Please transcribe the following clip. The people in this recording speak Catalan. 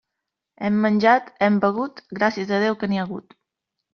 Hem menjat, hem begut, gràcies a Déu que n'hi ha hagut.